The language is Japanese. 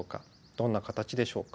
どんな形でしょうか。